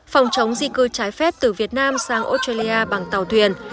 phòng chống di cư trái phép từ việt nam sang australia bằng tàu thuyền